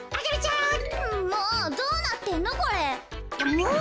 もう！